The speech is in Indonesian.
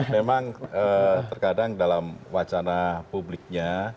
memang terkadang dalam wacana publiknya